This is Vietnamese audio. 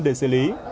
để xử lý